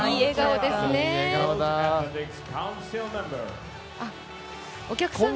いい笑顔ですね。